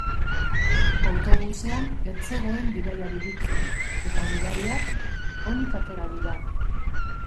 Autobusean ez zegoen bidaiaririk, eta gidariak onik atera dira.